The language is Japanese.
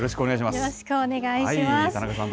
よろしくお願いします。